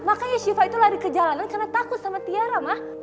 makanya shiva itu lari ke jalanan karena takut sama tiara mah